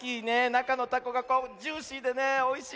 なかのたこがジューシーでねおいしいよね。